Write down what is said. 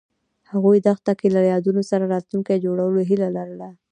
هغوی د دښته له یادونو سره راتلونکی جوړولو هیله لرله.